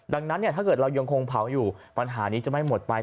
ดังนั้นถ้าเกิดเรายังคงเผาอยู่ปัญหานี้จะไม่หมดไป